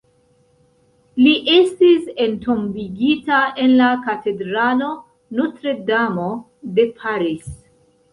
Li estis entombigita en la katedralo Notre-Dame de Paris.